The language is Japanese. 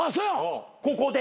ここで。